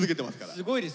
すごいですよ。